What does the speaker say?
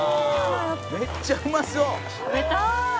「めっちゃうまそう」